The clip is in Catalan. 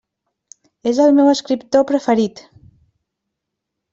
És el meu escriptor preferit.